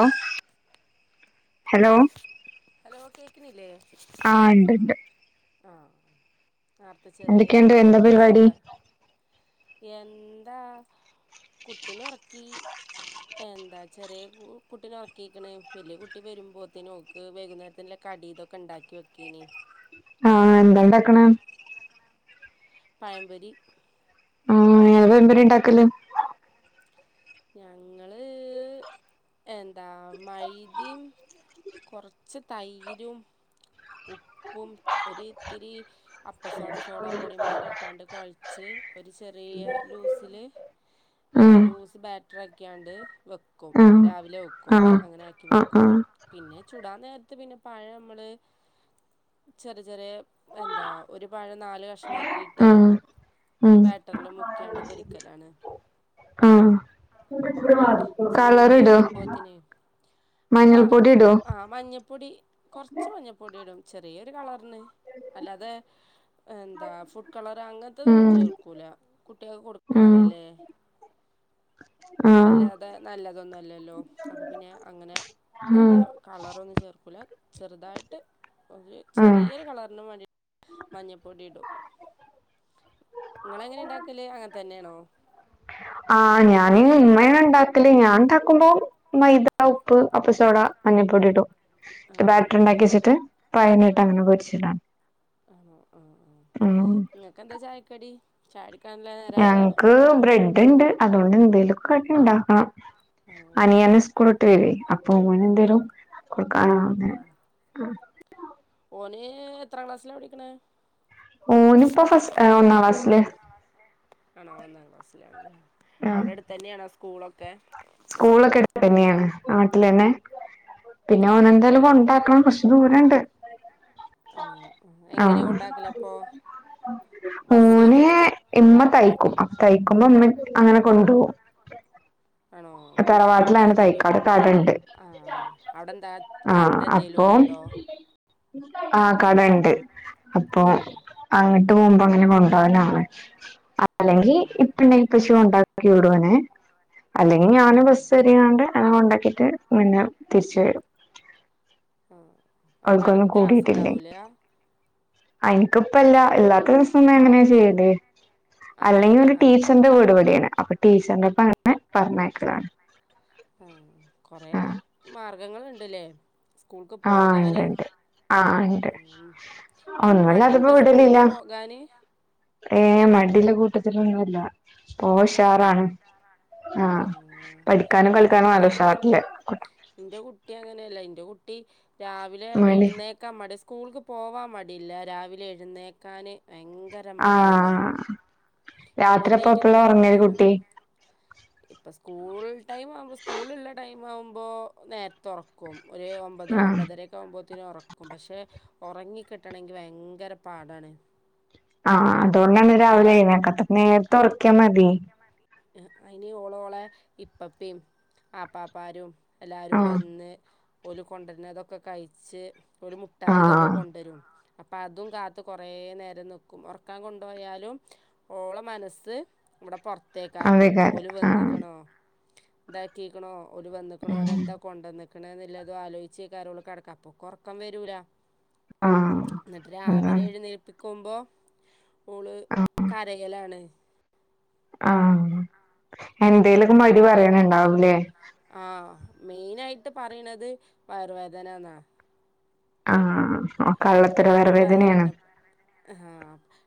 ഓ hello ക്ക്ണില്ലെ ആ ഇണ്ട് ഇണ്ട് ആ നേരത്തെ ചെറിയെ എന്തൊക്കെയുണ്ട് എന്തോ എന്താ പരിപാടി ചെറുതാ എന്താ കുട്ടിന ഉറക്കി. എന്താ ചെറിയ കുട്ടിന ഉറക്കിക്കണ് വലിയ കുട്ടി വരുമ്പോത്തേന് ഓക്ക് വൈകുന്നേരത്തിന് കടി ഇതൊക്കെ ഉണ്ടാക്കി വെക്കീന് ആ എന്താ ഉണ്ടാക്കണേ? പഴംമ്പൊരി ആ എ പഴംപൊരി ഉണ്ടാക്കല് ഞങ്ങള് എന്താ മൈദയും കുറച്ച് തൈരും ഉപ്പും ഒരിത്തിരി അപ്പസോഡ സോഡാ പൊടിയുംപാട ട്ടാണ്ട് കുഴച്ച് ഒരു ചെറിയ ലൂസിൽ ഉം ലൂസ് ബാറ്റ് ആക്യാണ്ട് വെക്കും ആഹ് രാവിലെ വെക്കും ആഹ് അങ്ങനെ ആക്കി ആഹ് വെക്കും ആഹ് പിന്നെ ചുടാൻ നേര പിന്നെ പഴം നമ്മള് ചെറു ചെറിയ എന്താ ഒരു പഴം നാല് കഷ്ണമാക്കിട്ട് ആഹ് ഉം ബാറ്ററില് മുക്കിയാണ്ട് പൊരിക്കലാണ് ആ സ്കൂള് വീട്ട് വരുമ്പോഴ്ത്തന് ആ മഞ്ഞൾപ്പൊടി ഇടോ ആ മഞ്ഞപ്പൊടി കുറച്ച് മഞ്ഞപ്പൊടി ഇടും. ചെറിയൊരു കളറിന് അല്ലാതെ എന്താ ഫുഡ് കളർ അങ്ങനത്തെതൊന്നും ഉം ചേർക്കൂല കുട്ടികൾക്ക് ഉം കൊടുക്കണതല്ലേ. ആഹ് വല്ലാതെ നല്ലത് അതൊന്നവല്ലല്ലോ അപ്പോൾ പിന്നെ അങ്ങനെ നല്ല ഉം കളറൊന്ന് ചേർക്കൂല ചെറുതായിട്ട് ഒരു ഉം ചെറിയൊരു കളറിന് വേണ്ടീട്ട് മഞ്ഞപ്പൊടി ഇടും. നിങ്ങളെങ്ങനെ ഉണ്ടാക്കല്, അങ്ങനെ തന്നെയാണോ? ആ ഞാനി ഉമ്മണ് ഉണ്ടാക്കല്, ഞാൻ ഉണ്ടാക്കുമ്പോം മൈദ ഉപ്പ് അപ്പസോട മഞ്ഞപ്പൊടി ഇടും. ആണോ ബാറ്ററി ഉണ്ടാക്കി ആഹ് വെച്ചിട്ട് പയനായിട്ട് അങ്ങനെ പൊരിച്ചിടാണ് ആണോ ആഹ് ആഹ് ഉം ചാടി ഞങ്ങക്ക് ബ്രെഡ് ഉണ്ട്. അതുകൊണ്ട് എന്തേലും കഴിക്കാനുണ്ടാക്കണം ആഹ് അനിയന് സ്കൂ സ്കൂൾ ഇട്ടു വരുയ് അപ്പം ആണോ എന്തേരും കൊടുക്കണ ആ എത്രാം ക്ലാസ്സിലാ പഠിക്കണേ? ഓനിപ്പോ ഫസ് ഒന്നാം ക്ലാസ്സില് ആണോ ഒന്നാം ക്ലാസ്സിലാണ് ആഹ് അവിടെ അടുത്ത് തന്നെയാണോ സ്കൂളൊ ക്കെ സ്കൂളൊക്കെ അടുത്ത് തന്നെയാണ് നാട്ടിൽഎന്നെ [unintelligible] പിന്നെ ആഹ് ഓനന്തായാലും ആഹ് കൊണ്ടാക്കണം കുറച്ചു ദൂരവുണ്ട്. ആണോ എങ്ങനെ ആഹ് കൊണ്ടാക്കലപ്പോ ബസ്സ് ഓന് വരുവോ ഇങ്ങോട്ട് ആയി ഇമ തയ്ക്കുമ്പോ അങ്ങനെ കൊണ്ടുപോകും ആണോ ഉമ്മ തറവാട്ടിലാണ് എ തയ്ക്ക അവിടെ കടണ്ട് ആ ഔടെ എന്താ കട എന്തേലും ഉണ്ടോ ഉം ആ കടണ്ട് അപ്പൊ അങ്ങട്ട് പോകുമ്പോൾ എ കൊണ്ടോകാനാവും അപ്പളേങ്കിൽ ആണോ ആണോ ഇപ്പണ്ടങ്കിൽ ഇപ്പച്ചി കൊണ്ടാ [unintelligible] അല്ലെങ്കിൽ പിന്നെ ആഹ് ഞാൻ ബസ് ആഹ് കേറിക്കാണ്ട് ഞാൻ കൊണ്ടാക്കിട്ട പിന്നെ തിരിച്ച് വരും ആ അപ്പൊ അനക്ക് ക്ലാസ് ഉണ്ടാവൂല എനിക്ക് ഇപ്പല്ല ഇല്ലാത്ത ദിവസം ഞാൻ എങ്ങനെയാ ചെയ്യല് അങ്ങനെ അല്ലെങ്കിൽ ഒരു ആഹ് ടീച്ചറിന്റെ വീട് ഇവിടെയാണ് അപ്പൊ ടീച്ചറിന്റെപ്പം അങ്ങനെ പറഞ്ഞേക്കാ ആ കൊറെ മാർഗങ്ങള്ണ്ട ഉണ്ട് ഇലെ ആ ഇണ്ട്ണ്ട് ആ ഇണ്ട് ഉം ഒന്നുലത്തപ്പോ മടിയുണ്ടോ വിടലില്ല സ്കൂൾക്ക് പോകാന് ഏ മടിള്ള കൂട്ടത്തിലൊന്നും ല്ല ഒ ആണോ ഉഷാറാണ് ആ പഠിക്കാനും ഇന്റെ കളിക്കാനും കുട്ടി നല്ല അങ്ങനെ ഉഷാറല്ലേ ൻ്റകുട്ടി രാവിലെ എഴുന്നേക്കാൻ മടി സ്കു സ്കൂൾക്ക് പോവാൻ മടിയില്ല രാവിലെ എഴുന്നേക്കാന് ഭയങ്കര ആ മടിയാണ് എഴുന്നേറ്റ് കിട്ടൂല ഇപ്പൊ സ്കൂൾ ടൈം ആവുമ്പോ സ്കൂൾഉള്ള ടൈം ഉണ്ടാവുമ്പോൾ നേരത്ത ഉറക്കും ഒര് ഒമ്പത് ആഹ് ഒമ്പതര ആകുമ്പോ ത്തിന ഉറക്കും പക്ഷെ ഉറങ്ങി കിട്ടണെങ്കിൽ ഭയങ്കര പാടാണ് ആ അ അതൊണ്ടാണ് രാവിലെ ഓളെ എഴുന്നേക്കാത്തത് നേരത്തെ ഉറക്കിയാൽ മതി അയ്ന് ഓളോളെ ഇപ്പപ്പിം ആപ്പാപ്പാരും എല്ലാരും ആഹ് വന്ന് ഒല് കൊണ്ടരുന്നതൊക്കെ കഴിച്ച് ഓല് മുട്ടായി ഇതൊക്കെ ആഹ് കൊണ്ടൊരും അപ്പം അതും കാത്ത് കുറേ നേരം നിക്കും ഉറക്കാൻ കൊണ്ടുപോയാലും ഓളെ മനസ്സ് ഇവിടെ പൊറത്ത് ത്തെ കാരം അതേക്കാരം ഒല് ആഹ് വന്ന്ക്ക്ണോ ന്താ ക്കീകണ് ഒരു വന്നേക്കണും ഉം ഓരെന്താ കൊണ്ട് വന്നേ ക്കണോതുല്ലതും ആലോചിച്ചിക്കാറെ ഒള്ളൂ കിടക്ക അപ്പൊക്കൊറക്കം വരൂല ആഹ് എന്താണ് വക്കുമ്പോ ഓള് കരയലാണ് ആ എന്തേലുമൊക്കെ മടി പറയാൻ ഉണ്ടാവൂലേ ആ മെയിനായിട്ട് പറയണത് വയറുവേദനാന്നാ ആ ഓ എപ്പളും വയറുവേദന തന്നെ ആ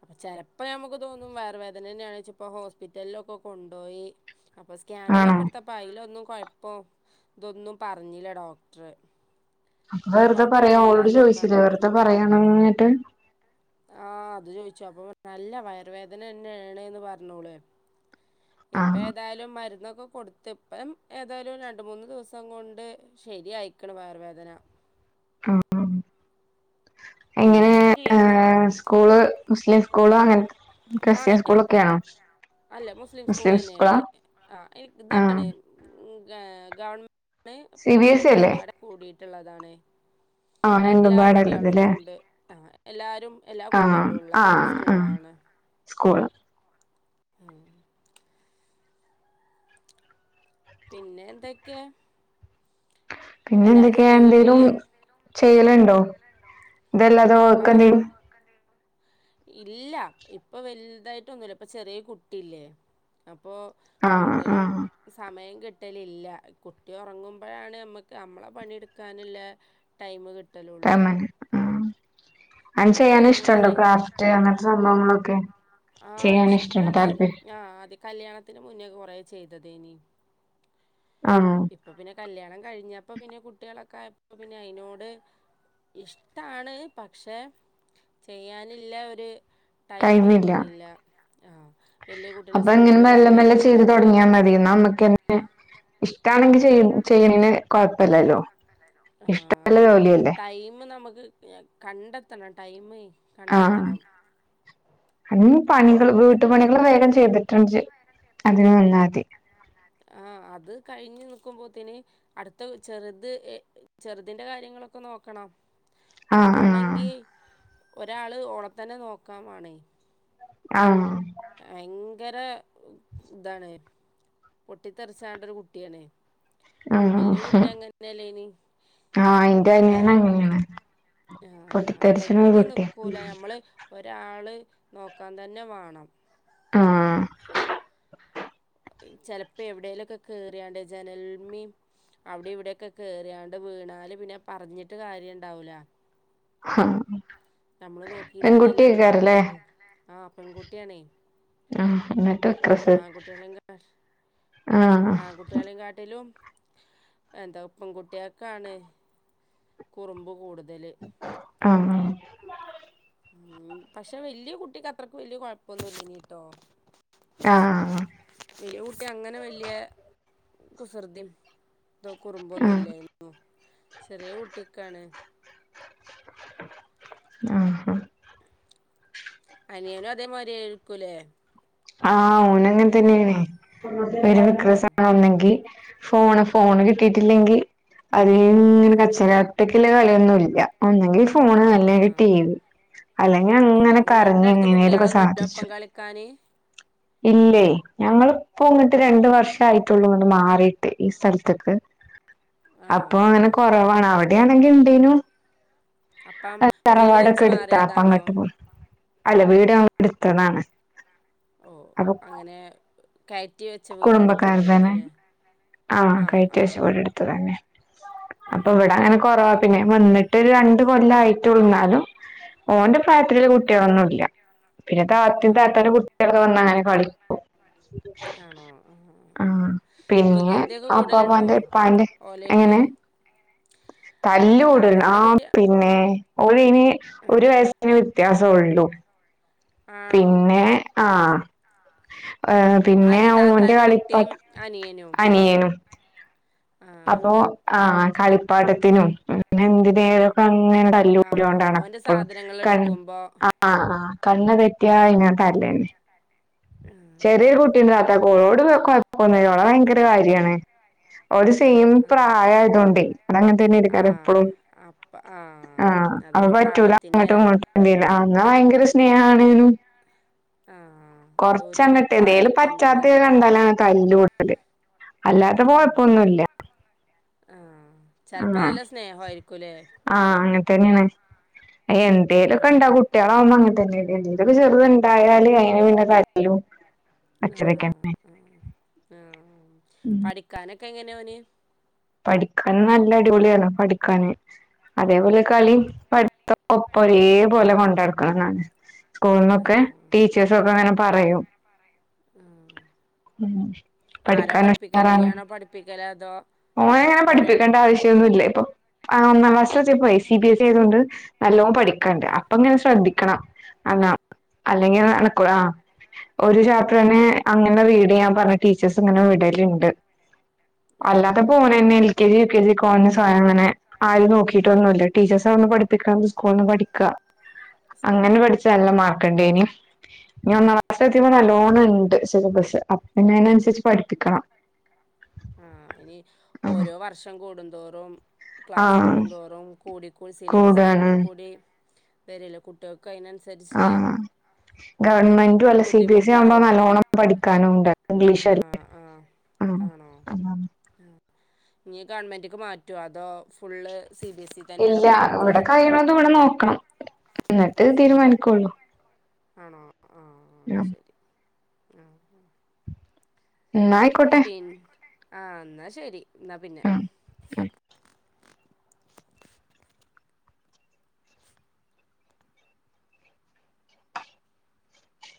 അപ്പൊ ചെ അപ്പം നമുക്ക് തോന്നും വയറുവേദന തന്നെയാണ് ച്ച് ഇപ്പം ഹോസ്പിറ്റലിലൊക്കെ കൊണ്ടുപോയി സ്കാനിങ്ങ് ആണോ ഒക്കെ എടുത്തപ്പൊ അയിലൊന്നും കൊഴപ്പോം ഇതൊന്നും പറഞ്ഞില്ല ഡോക്ടർ മക്കള് വെറുതെ പറയും ഓളോട് ചോദിച്ചില്ലേ വെറുതെ പറയും ഒണങ്ങാനിട്ട് ആ അത് ചോയിച്ചു അപ്പൊ നല്ല വയറുവേദന തന്നെയാണെന്ന് പറഞ്ഞു ഓള് ഇപ്പ ആഹ് ഏതായാലും മരുന്നൊക്കെ കൊടുത്ത് ഇപ്പം ഏതായാലും രണ്ട് മൂന്ന് ദിവസം കൊണ്ട് ശരിയായിക്കണം വയറുവേദന ആ ആ എങ്ങനെ ഇനിയും കൊറയില്ലെങ്കി ഏ സ്കൂള് മുസ്ലിം കോളും അങ്ങനക്ക് ആണ് അല്ല മുസ്ലിം സ്കൂൾ തന്നെയാണ് ആ ആഹ് ഇതാണ് ഏ ഗവൺ ണ് സി ബി എസ് ഇ അല്ലേ മാനേജ്മെന്റ്റ്റൂടെ കൂടി ഉള്ളതാണ് ആഹ് രണ്ടും എല്ലാ പാടള്ളത് കുട്ടികളും ല്ലേ ഉണ്ട് ആ എല്ലാരും എല്ലാ കുട്ടികളും ഉള്ള സ്കൂളാണ് സ്കൂളാ ഉം. പിന്നെ എന്തൊക്കെയാ പിന്നെ എല്ലാവരും എന്തൊക്കെയാ ഇല്ലേ വീട്ടിൽ എന്തേലും ചെയ്യലുണ്ടോ ഇതെല്ലാതെ വർക്ക് ആ എന്തേലും ഇല്ല ഇപ്പൊ വലുതായിട്ട് ഒന്നുമില്ല ഇപ്പൊ ചെറിയ കുട്ടിയില്ലേ ഇപ്പോ ആഹ് കൂടുതലും ആഹ് സമയം കിട്ട് ട്ടലില്ല കുട്ടി ഉറങ്ങുമ്പോഴാണ് നമ്മക്ക് മ്മളെ പണിയെടുക്കാനുള്ള ടൈമ് കി ആ മോന് ആ അത് നമ്മളെ ചെയ്യാന് കാര്യങ്ങള് ഇഷ്ടൊണ്ടോ ചെയ് ക്രാഫ്റ്റ് അങ്ങനത്തെ സംഭവങ്ങളൊക്കെ ആഹ് ചെയ്യാനിഷ്ടുണ്ട് ഇഷ്ടാണ് താല്പര്യം ആഹ് ആദ്യ കല്യാണത്തിന് മുന്നേ കൊറേ ചെയ്തതേനി ആഹ് ഇപ്പൊ പിന്നെ കല്യാണം കഴിഞ്ഞ അപ്പോ പിന്നെ കുട്ടികളൊക്കെ ആയപ്പോൾ പിന്നെ അതിനോട് ഇഷ്ടമാണ് പക്ഷേ ചെയ്യാനില്ല ഒരു ടൈം ടൈമില്ല കിട്ടണില്ല ആ വലിയ കുട്ടിനെ അപ്പൊ ഇങ്ങനെ സ്കൂളില് മെല്ലെ മെല്ലെ ചെയ്ത് പറഞ്ഞയക്കുമ്പോത്തിന് തുടങ്ങിയാ മതി നമ്മുക്ക്ന്നെ ഇഷ്ടമാണെങ്കിൽ ചെയ്യണന് കൊഴപ്പല്ലല്ലോ ആ ഇഷ്ടള്ള ഇനി ജോലിയല്ലേ ടൈം നമുക്ക് ക്ക് ഞ കണ്ടെത്തണം ടൈമ് കണ്ടെത്തണം അ പണികൾ വീട്ടുപണികള് വേഗം ചെയ്തിട്ടുണ്ട് അതിന് നിന്നാതി ആ അത് കഴിഞ്ഞു നിക്കുമ്പോത്തേന് അടുത്ത ചെറുത് ചെറുതിന്റെ കാര്യങ്ങളൊക്കെ നോക്കണം ആഹ് ആഹ് ഓളാണെങ്കിൽ ഒരാള് ഓളെത്തന്നെ നോക്കാൻ വണേ ആ ഭയങ്കര ഇതാണ് പൊട്ടിത്തെറിച്ചാണ്ട് ഒരു കുട്ടിയാണ് ആ വല്യ കുട്ടി അങ്ങനെയല്ലേനി ആ അയിന്റെ ഏ അനിയൻ അങ്ങനെയാണ് ആ പൊട്ടിത്തെറിച്ച്ണ ഒരു അടങ്ങി കുട്ടിയാ നിക്കൂല നമ്മള് ഒരാ ആള് നോക്കാൻ തന്നെ വാണം ആ ചെലപ്പോ എവിടെലുംഒക്കെ കേറിയാണ്ട് ജനൽമേം അവിടെ ഇവിടെക്കെ കേറിയാണ്ട് വീണാല് പിന്നെ പറഞ്ഞിട്ട് കാര്യം ഇണ്ടാവൂല ആ നോക്കിയില്ലാന്ന് എല്ലാവരും പെൺകുട്ടിയ്ക്കാരല്ലേ പറയുള്ളൂ ആ പെൺകുട്ടിയാണേ ആ അങ്ങനെ ആൺകുട്ടികളെയും കാ ആഹ് ആൺകുട്ടികളെയും കാട്ടിലും എന്താ പെൺകുട്ടിയക്കാണ് കുറുമ്പ് കൂട് തല് ആ ആ ഉ പക്ഷെ വല്യ കുട്ടിക്ക് അത്രയ്ക്ക് വല്യ കൊഴപ്പൊന്നും ഇല്ലയ്നീ ട്ടോ ആ ആ വലിയ കുട്ടി അങ്ങനെ വല്ലേ കുസൃതി ഇതോ കുറുമ്പൊന്നുംല്ലായിന്ന ചെറിയ കുട്ടിക്കാണ് ആ അനിയനും അതേമാതിരി ആരിക്കൂലേ ആ ഓന് അങ്ങനെ തന്നെയണേ ഒരു ആഹ് വിക്രസനൊന്നെങ്കിൽ [unintelligible] ഫോണ് ഫോണ് കിട്ടിട്ടില്ലെങ്കി അത് ഇങ്ങനെ ആഹ് കച്ചറ ആയിട്ട് കളിയൊന്നും ഇല്ല ഒന്നെങ്കി ഫ് ഫോണ് അല്ലെങ്കി ആഹ് ടിവി അല്ലെങ്കി ആഹ് അങ്ങനെ വീടിന്റെ അടുത്ത് കരഞ്ഞിങ്ങനേലുംക്കെ കുട്ടികളൊന്നുല്ല ഒപ്പം സാധിച്ചു കളിക്കാന് ഇല്ലേ? ഞങ്ങള്പ്പോ ഇങ്ങട്ട് രണ്ട് വർഷായിട്ടൊള്ളൂ ഇങ്ങട്ട് മാറിട്ട് ഈ സ്ഥലത്ത്ക്ക് ആണോ അപ്പൊ അങ്ങനെ ആഹ് കൊറവാണ് അവിടെയാണെങ്കി ഇണ്ടേനു. അപ്പം വീട് തറവാടൊക്കെ വെച്ച് എടുത്താ അപ്പൊ മാറിയതാണോ? അങ്ങട്ട് പോയി അല്ല വീട് ഞങ്ങള് എടുത്തതാണ്. ഓ അപ്പൊ അങ്ങനെ കയറ്റി വെച്ച കുടുംബക്കാര് തന്നെ വീടെടുത്തതായിരിക്കുല്ലേ ആഹ് കയറ്റി ആ. വെച്ച് വീട് എടുത്തതന്നെ അപ്പൊ ഇവടാ അങ്ങനെ കൊറവാ പിന്നെ വന്നിട്ട് രണ്ട് കൊല്ലായിട്ടൊള്ളു ഇന്നാലും ഓന്റെ പ്രായതിലുള്ള കുട്ട്യേളൊന്നുല്ല. പിന്നെ ആഹ് താത്തി താത്ത കു ആഹ് കുട്ട്യേളോക്കെ വന്നാ അങ്ങനെ കളിക്കും. ആണോ ആഹ് ആഹ് ആ ആഹ് പിന്നെ വികൃതിയൊക്കെ കൂടലുണ്ടോ ആപ്പാപ്പാന്റെ ഇപ്പാന്റെ ഓലേറ്റ് എങ്ങനെ തല്ലുടെ ആ താത്താന്റെ കുട്ടി പിന്നെ ഓല് ഇനി ഒരു വയസിന് വ്യത്യാസൊള്ളൂ. ആണോ പി [inaudible] ഏ പിന്നെ ഓന്റെ താത്താന്റെ കുട്ടിയും അനിയനും കളിപ്പാട്ടംഅനിയനും അപ്പൊ ആഹ് ആഹ്. കളിപ്പാട്ടത്തിനും പിന്നെ എന്തിന് ഇങ്ങനെ ആഹ് തല്ലുട്ട്യേണ്ടാണ് ഓന്റെ എപ്പളും സാധനങ്ങൾ തല്ല് എടുക്കുമ്പോ ആ ആ ആ. കണ്ണ് തെറ്റിയാ പിന്നെ തല്ലന്നെ ചെറ്യേ കുട്ടിണ്ടോ താത്ത ഓളോട് കൊഴപ്പൊന്നുല്ല ഓള ഭയങ്കര കാര്യാണ് ഓല് ആഹ് സെയിം ആഹ് ആഹ് പ്രായയതോണ്ട് ഓല് അങ്ങനെ തന്നെയായിരിക്കും ആഹ് എപ്പഴും അപ്പ ആഹ് ആ അ അതൊരു പറ്റൂല പ്രായത്തിന്റെ അങ്ങോട്ടും ഇങ്ങോട്ടും ന്നാ ഭയങ്ക ങ്കര സ്നേഹണേനും ആഹ് അതൊരു കൊറച്ചങ്ങട്ട് എന്തേലും പ്രായത്തിന്റെ പറ്റാത്ത ഇതാണ് കണ്ടാല് തല്ലൊള്ളൂ. അതെ. അല്ലാത്തപ്പം ആഹ് കൊഴപ്പൊന്നുല്ല. ചെലപ്പം ആഹ് നല്ല സ്നേഹയിരിക്കൂല്ലേ. ഇതന്നെണ്. എ എന്തേലൊക്കെ ആഹ് ഇണ്ടാവും കുട്ട്യേളാവുമ്പോ അങ്ങനെ [unintelligible] ചെറ്ത്ണ്ടായാല് അയിന് പിന്നെ കരയലും ആ ആ പഠിക്കാനൊ ക്കെ എങ്ങനേ ഓന് പഠിക്കാൻ നല്ല അടിപൊളിയാണ് പഠിക്കാന് അതേപോലെ ആണോ കളിയും പഠിത്തം ഒപ്പം ഒരേ പോലെ കൊണ്ടടക്കണംന്നാണ് സ്കൂൾന്നൊക്കെ ടീച്ചേഴസ് ഒക്കെ ഇങ്ങനെ പറയും ഉം ഉം ആരാ പഠിക്കാൻ പഠിപ്പിക്കല് ഉഷാറാണ് ഇയ്യാണോ പഠിപ്പിക്കല് അതോ ധോ ഓനെ അങ്ങനെ പഠിപ്പിക്കേണ്ട ആവശ്യം ഒന്നുല്ല ഇപ്പൊ ആഹ്., ഒന്നാം ക്ലാസ്ലെത്തിപ്പയെ സി ബി എസ് ഇ ആയതുകൊണ്ട് നല്ലോം പഠി ക്കാൻണ്ട് അപ്പൊ ഇങ്ങനെ ശ്രദ്ധിക്കണം അങ്ങാ ആഹ് അല്ലെങ്കിൽ നടക്കൂല ആഹ് ഒരു ചാപ്റ്ററന്നെ അങ്ങനെ റീഡ് ചെയ്യാൻ പറഞ്ഞ് ടീച്ചേഴസ് ഇങ്ങനെ വിടലുണ്ട് ആഹ് അല്ലാതെ ഓനെന്നെ എൽ ആഹ് K G U K G കോ സ അങ്ങനെ ആരും നോക്കിട്ടൊന്നും ഇല്ല ടീച്ചേർസാവുമ്പം പഠിപ്പിക്ക സ്കൂളിൽന്ന് പഠിക്കാ അങ്ങനെ ആഹ് പഠിച്ച് നല്ല മാർക്ക്ണ്ടേനി ഇനി ഒന്നൂടെ അത് സത്യം പറഞ്ഞാ നല്ലോണം ഇണ്ട് സിലബസ് അപ്പം പിന്നെ അതിനനുസരിച്ച് പഠിപ്പിക്കണം ആഹ് ഇനി ഓരോ വർഷം കൂടു തോറും ആ ക്ലാസ് കൂടുന്തോറും കൂടി കൂടി സിലബസ് കൂടുവാണ് കൂടി കൂടി വരെയല്ലേ കുട്ടിയ ആഹ് ഗവൺമെന്റും അല്ല സി ബി എസ് ഇ ആവുമ്പോ ബുദ്ധിമുട്ടാവും നല്ലോണ്ണം പഠിക്കാനും ഉണ്ട് ഇംഗ്ലീഷല്ലേ ആഹ് ആഹ് ആഹ് ആഹ് നീ ഗവൺമെന്റിക്ക് മാറ്റുവോ അതോ full C B S E തന്നെയാണോ ഇല്ല പഠിപ്പിക്കുക ഇവിടെ കഴിയണതും ഇവിടെ നോക്കണം എന്നിട്ട് ആണോ തീരുമാനിക്കുള്ളു ആണോ ആഹ് അത് ശരി ഉം എന്നാ ആയിക്കോട്ടെ ആഹ് എന്നാ ശരി എന്നാ പിന്നെ ആഹ്